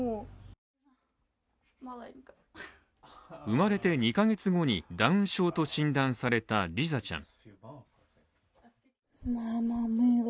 生まれて２カ月後にダウン症と診断されたリザちゃん。